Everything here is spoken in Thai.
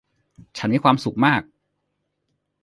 ฉันมีความสุขมาก